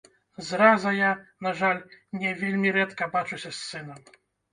Зраза я, на жаль, вельмі рэдка бачуся з сынам.